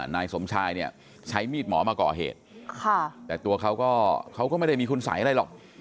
นายสมชายเนี่ยใช้มีดหมอมาก่อเหตุแต่ตัวเขาก็เขาก็ไม่ได้มีคุณสัยอะไรหรอก